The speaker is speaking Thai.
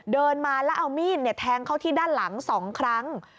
เดินมาแล้วเอามีดแทงเข้าที่ด้านหลัง๒ครั้ง